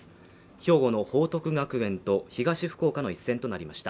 兵庫の報徳学園と東福岡の一戦となりました